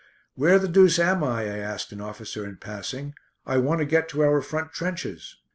"Where the deuce am I?" I asked an officer in passing. "I want to get to our front trenches."